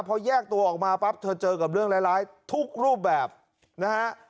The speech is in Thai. พอแยกตัวออกมาปั๊บเธอเจอกับเรื่องร้ายทุกรูปแบบนะฮะ